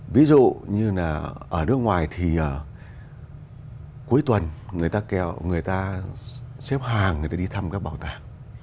ví dụ như ở nước ngoài thì cuối tuần người ta xếp hàng đi thăm các bảo tàng